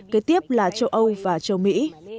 kế tiếp là châu âu và châu mỹ